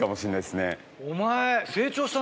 お前。